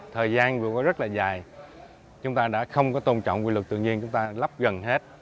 thời gian vừa qua rất là dài chúng ta đã không có tôn trọng quy luật tự nhiên chúng ta lắp gần hết